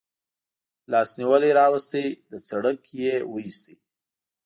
لاس نیولی راوست، له سړک یې و ایست.